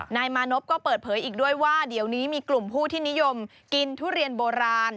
นายมานพก็เปิดเผยอีกด้วยว่าเดี๋ยวนี้มีกลุ่มผู้ที่นิยมกินทุเรียนโบราณ